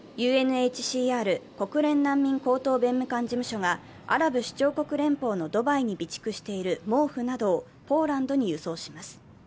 ＵＮＨＣＲ＝国連難民高等弁務官事務所がアラブ首長国連邦のドバイに備蓄している毛布などをポーランドに輸送します。